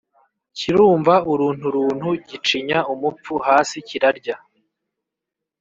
kirumva urunturuntu gicinya umupfu hasi kirarya.